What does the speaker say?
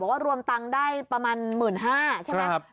ว่ารวมตังค์ได้ประมาณ๑๕๐๐ใช่ไหม